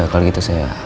kalau gitu saya